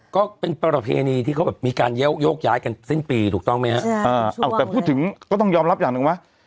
ก็เป็นประเพณีที่เขาแบบมีการโยกย้ายกันสิ้นปีถูกต้องไหมฮะเอาแต่พูดถึงก็ต้องยอมรับอย่างหนึ่งว่า